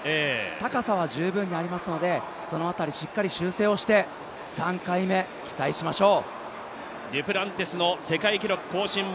高さは十分にありますので、その辺り、しっかり修正をして期待しましょう。